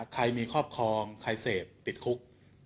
ใครมีครอบครองใครเสพติดคุก